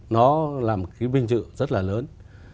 nó làm cái vinh dự rất là lớn